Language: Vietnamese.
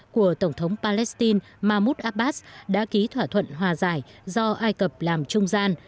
của tổng thống palestine mahmoud abbas đã ký thỏa thuận hòa giải do ai cập làm trung gian